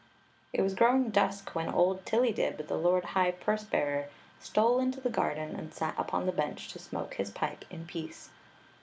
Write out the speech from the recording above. It was growing dusk when old Tillydib, the lord high purse bearer, stole into the |^ufd(m and sat upcm the bench to smoke his pipe in peace.